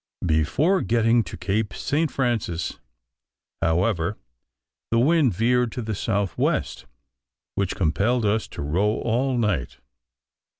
Before getting to Cape St. Francis, however, the wind veered to the south west, which compelled us to row all night.